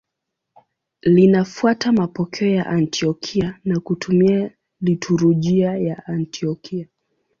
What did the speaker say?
Linafuata mapokeo ya Antiokia na kutumia liturujia ya Antiokia.